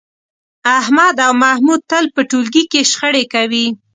احمد او محمود تل په ټولگي کې شخړې کوي